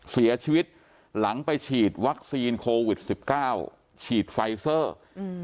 เสียชีวิตหลังไปฉีดวัคซีนโควิดสิบเก้าฉีดไฟเซอร์อืม